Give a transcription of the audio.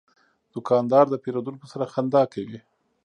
دوکاندار د پیرودونکو سره خندا کوي.